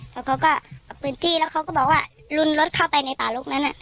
แล้วเขาก็เอาปืนจี้แล้วเขาก็บอกว่าลุนรถเข้าไปในป่าลุกนั้น